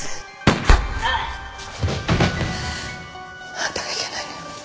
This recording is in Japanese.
あんたがいけないのよ。